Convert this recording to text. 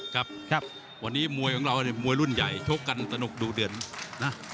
ครับครับวันนี้มวยของเราเนี่ยมวยรุ่นใหญ่ชกกันสนุกดูเดือดนะ